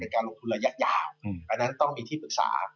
การลงทุนระยะยาวอันนั้นต้องมีที่ปรึกษา